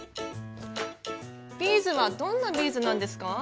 ビーズはどんなビーズなんですか？